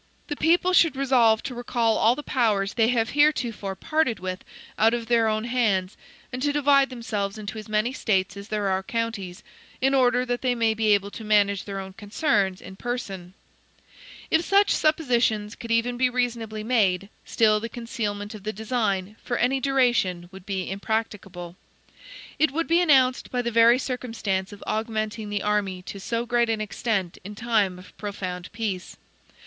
The people should resolve to recall all the powers they have heretofore parted with out of their own hands, and to divide themselves into as many States as there are counties, in order that they may be able to manage their own concerns in person. If such suppositions could even be reasonably made, still the concealment of the design, for any duration, would be impracticable. It would be announced, by the very circumstance of augmenting the army to so great an extent in time of profound peace.